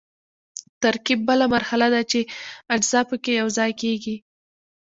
ترکیب بله مرحله ده چې اجزا پکې یوځای کیږي.